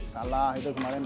salah itu kemarin